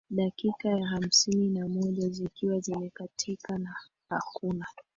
Dakika ya hamsini na moja zikiwa zimekatika na hakuna